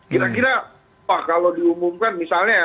kira kira kalau diumumkan misalnya ya